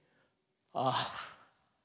「ああ」。